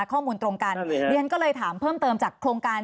ข้อมูลตรงกันเรียนก็เลยถามเพิ่มเติมจากโครงการ